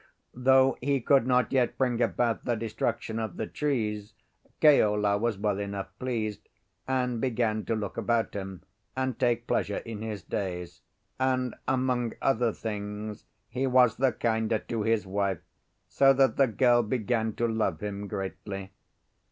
Though he could not yet bring about the destruction of the trees, Keola was well enough pleased, and began to look about him and take pleasure in his days; and, among other things, he was the kinder to his wife, so that the girl began to love him greatly.